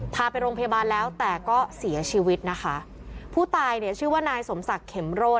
พาไปโรงพยาบาลแล้วแต่ก็เสียชีวิตนะคะผู้ตายเนี่ยชื่อว่านายสมศักดิ์เข็มโรด